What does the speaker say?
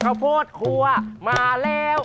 ข้าวโพดครัวมาแล้ว